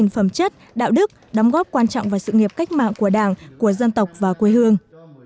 phẩm chất đạo đức đóng góp quan trọng vào sự nghiệp cách mạng của đảng của dân tộc và quê hương